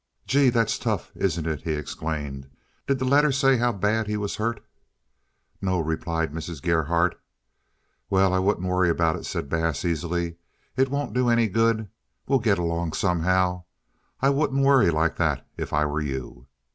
"Gee! that's tough, isn't it?" he exclaimed. "Did the letter say how bad he was hurt?" "No," replied Mrs. Gerhardt. "Well, I wouldn't worry about it," said Bass easily. "It won't do any good. We'll get along somehow. I wouldn't worry like that if I were you."